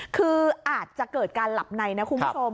คืออาจจะเกิดการหลับในนะคุณผู้ชม